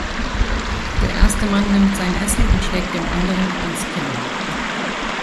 Der erste Mann nimmt sein Essen und schlägt dem anderen ans Kinn.